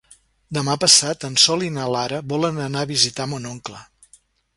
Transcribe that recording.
Demà passat en Sol i na Lara volen anar a visitar mon oncle.